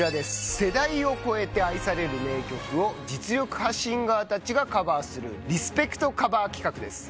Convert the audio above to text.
世代を超えて愛される名曲を実力派シンガーたちがカバーする「リスペクト！！カバー」企画です。